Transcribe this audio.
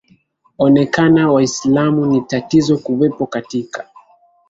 onekana waislamu ni tatizo kuwepo katika